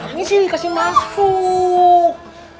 ini sih kasih masuk